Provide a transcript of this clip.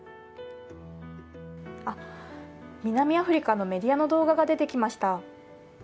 あっ、南アフリカのメディアの動画が出てきました。